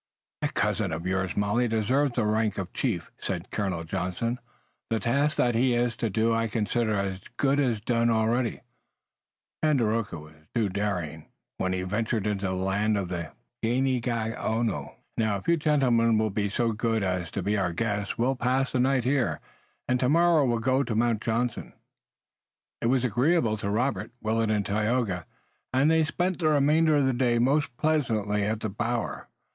"That cousin of yours, Molly, deserves his rank of chief," said Colonel Johnson. "The task that he is to do I consider as good as done already. Tandakora was too daring, when he ventured into the lands of the Ganeagaono. Now, if you gentlemen will be so good as to be our guests we'll pass the night here, and tomorrow we'll go to Mount Johnson." It was agreeable to Robert, Willet and Tayoga, and they spent the remainder of the day most pleasantly at the bower.